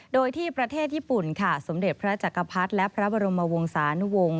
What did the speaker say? โดยที่ประเทศญี่ปุ่นค่ะสมเด็จพระจักรพรรดิและพระบรมวงศานุวงศ์